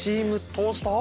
トースター？